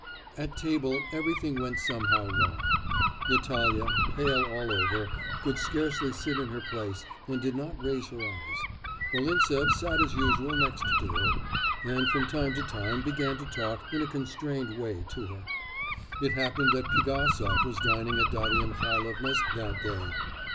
At table everything went somehow wrong. Natalya, pale all over, could scarcely sit in her place and did not raise her eyes. Volintsev sat as usual next her, and from time to time began to talk in a constrained way to her. It happened that Pigasov was dining at Darya Mihailovna's that day.